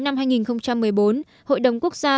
năm hai nghìn một mươi bốn hội đồng quốc gia